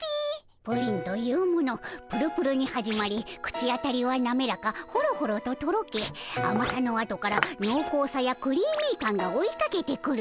プリンというものぷるぷるに始まり口当たりはなめらかほろほろととろけあまさの後からのうこうさやクリーミー感が追いかけてくる。